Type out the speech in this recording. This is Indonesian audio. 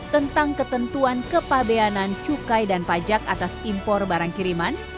tentang ketentuan kepabeanan cukai dan pajak atas impor barang kiriman